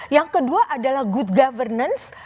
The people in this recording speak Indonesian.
yang kedua adalah good governance